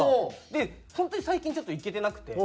で本当に最近ちょっと行けてなくて。